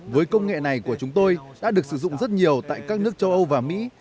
với công nghệ này của chúng tôi đã được sử dụng rất nhiều tại các nước châu âu và mỹ